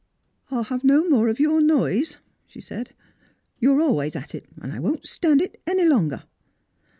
" I'll have no more of your noise," she said ;" you're always at it, and I won't stand it any longer."